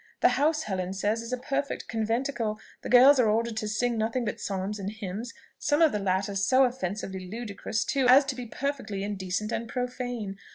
The house, Helen says, is a perfect conventicle. The girls are ordered to sing nothing but psalms and hymns; some of the latter so offensively ludicrous, too, as to be perfectly indecent and profane.